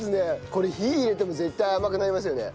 これ火入れても絶対甘くなりますよね。